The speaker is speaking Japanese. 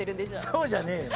そうじゃねえよ